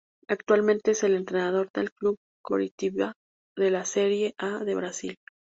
Actualmente es el entrenador del club Coritiba de la Serie A de Brasil.